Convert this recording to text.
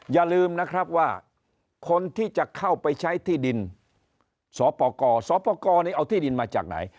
อย่าลืมนะครับว่าคนที่จะเข้าไปใช้ที่ดินสปกสปกรเอาที่ดินมาจากไหน